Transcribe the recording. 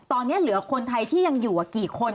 ตอนนี้เหลือคนไทยที่ยังอยู่กี่คน